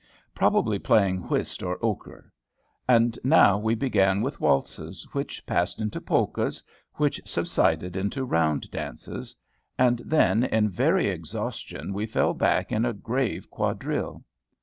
Probably playing whist or euchre. And now we began with waltzes, which passed into polkas, which subsided into round dances; and then in very exhaustion we fell back in a grave quadrille.